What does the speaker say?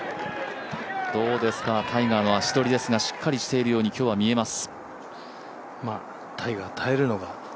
どうですか、タイガーの足取りですが、しっかりしているように今日は見えます。